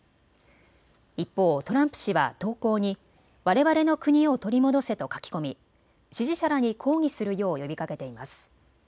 一方、トランプ氏は投稿にわれわれの国を取り戻せと書き込み支持者らに抗議するよう呼びかけています。